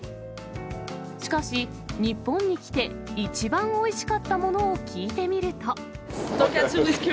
しかし、日本に来て一番おいしかったものを聞いてみると。